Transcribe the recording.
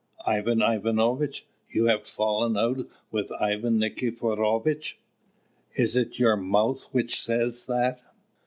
Ivan Ivanovitch! you have fallen out with Ivan Nikiforovitch! Is it your mouth which says that?